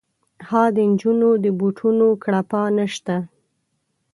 ها د نجونو د بوټونو کړپا نه شته